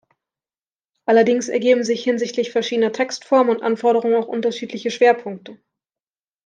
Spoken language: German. Allerdings ergeben sich hinsichtlich verschiedener Textformen und Anforderungen auch unterschiedliche Schwerpunkte.